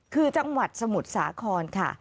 คือจังหวัดสมุทรสาครค่ะ